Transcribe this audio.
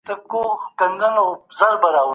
د جګړو پر مهال د سوداګرۍ چارې څنګه ټکنۍ کيدې؟